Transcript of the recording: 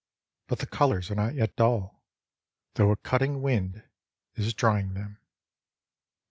. but the colours are not yet dull, though a cutting wind is drying them.